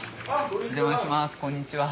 こんにちは。